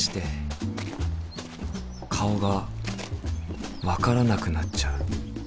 顔が分からなくなっちゃう。